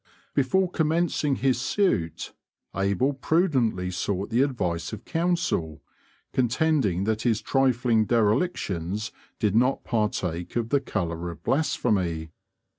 Before commencing his suit, Abel prudently sought the advice of counsel, contending that his trifling derelictions did not partake of the colour of blasphemy.